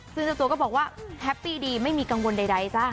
ซึ่งเจ้าตัวก็บอกว่าแฮปปี้ดีไม่มีกังวลใดจ้ะ